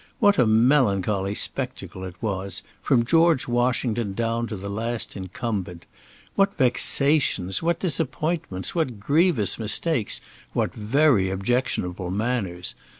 What a melancholy spectacle it was, from George Washington down to the last incumbent; what vexations, what disappointments, what grievous mistakes, what very objectionable manners!